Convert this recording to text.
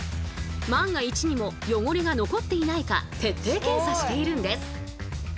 万が一にも汚れが残っていないか徹底検査しているんです。